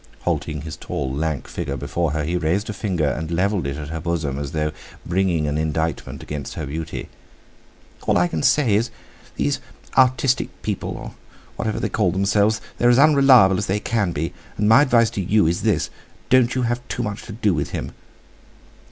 Halting his tall, lank figure before her, he raised a finger, and levelled it at her bosom, as though bringing an indictment against her beauty: "All I can say is, these artistic people, or whatever they call themselves, they're as unreliable as they can be; and my advice to you is, don't you have too much to do with him!"